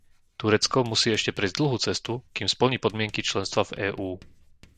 Turecko musí ešte prejsť dlhú cestu, kým splní podmienky členstva v EÚ.